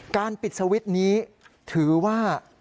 ปิดสวิตช์นี้ถือว่า